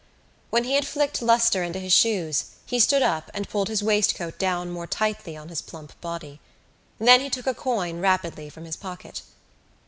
When he had flicked lustre into his shoes he stood up and pulled his waistcoat down more tightly on his plump body. Then he took a coin rapidly from his pocket.